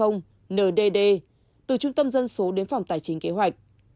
ndd từ trung tâm dân số đến phòng tài chính kế hoạch